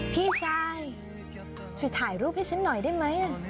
พี่ชายช่วยถ่ายรูปให้ฉันหน่อยได้ไหม